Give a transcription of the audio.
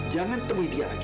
jangan temui dia lagi